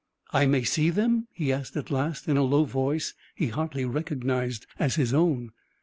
"I may see them?" he asked at last, in a low voice he hardly recognized as his own.